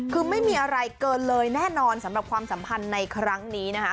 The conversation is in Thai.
คือไม่มีอะไรเกินเลยแน่นอนสำหรับความสัมพันธ์ในครั้งนี้นะคะ